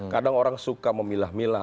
kadang orang suka memilah milah